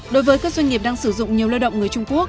đối với các doanh nghiệp đang sử dụng nhiều lao động người trung quốc